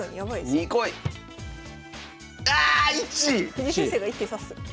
藤井先生が１手指す。